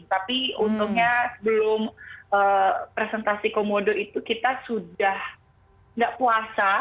tapi untungnya sebelum presentasi komodo itu kita sudah tidak puasa